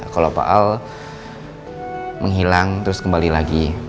kalau pak al menghilang terus kembali lagi